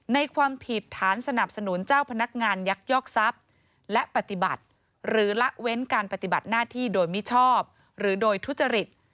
ความผิดฐานสนับสนุนเจ้าพนักงานยักยอกทรัพย์และปฏิบัติหรือละเว้นการปฏิบัติหน้าที่โดยมิชอบหรือโดยทุจริต